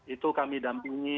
itu kami dampingi